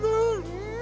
うん。